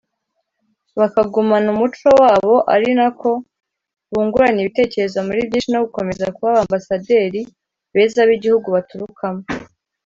bakagumana umuco wabo ari na ko bungurana ibitekerezo muri byinshi no gukomeza kuba abambasaderi beza b’ibihugu baturukamo